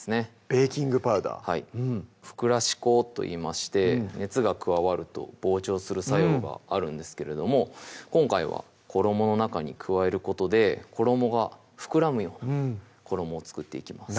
ベーキングパウダーうん膨らし粉といいまして熱が加わると膨張する作用があるんですけれども今回は衣の中に加えることで衣が膨らむように衣を作っていきます